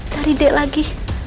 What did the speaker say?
dari dek lagi